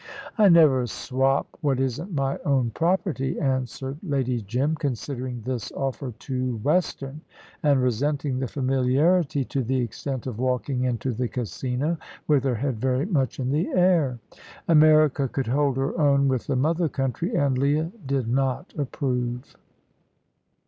"I never swap what isn't my own property," answered Lady Jim, considering this offer too Western, and resenting the familiarity to the extent of walking into the Casino with her head very much in the air. America could hold her own with the mother country, and Leah did not approve.